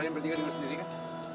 kalian berdiri kan diri sendiri kan